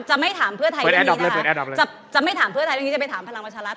ไม่ถามเพื่อไทยเรื่องนี้นะคะจะไม่ถามเพื่อไทยเรื่องนี้จะไปถามพลังประชารัฐ